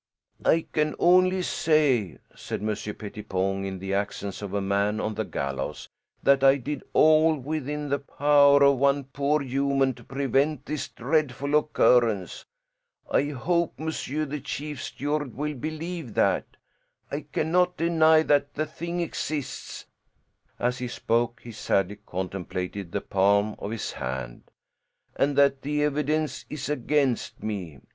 "I can only say," said Monsieur Pettipon in the accents of a man on the gallows, "that I did all within the power of one poor human to prevent this dreadful occurrence. I hope monsieur the chief steward will believe that. I cannot deny that the thing exists" as he spoke he sadly contemplated the palm of his hand "and that the evidence is against me.